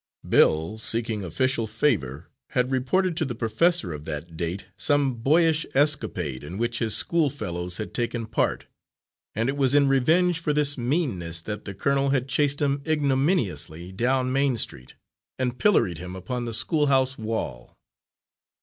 Bill, seeking official favour, had reported to the Professor of that date some boyish escapade in which his schoolfellows had taken part, and it was in revenge for this meanness that the colonel had chased him ignominiously down Main Street and pilloried him upon the schoolhouse wall.